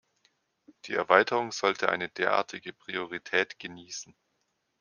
Die Erweiterung sollte eine derartige Priorität genießen..